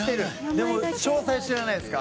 でも詳細は知らないですか？